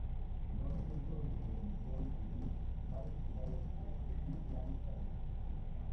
Se conocen centros de desarrollo infantil, primarias, secundarias, bachilleratos y planes para educación superior.